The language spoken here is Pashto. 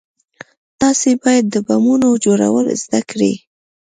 تاسې بايد د بمونو جوړول زده کئ.